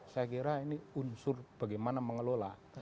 saya kira ini unsur bagaimana mengelola